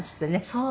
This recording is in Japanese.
そう。